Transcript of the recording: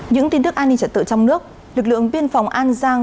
những tin tức an ninh trật tự trong nước lực lượng biên phòng an giang